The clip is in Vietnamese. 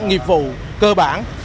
nghiệp vụ cơ bản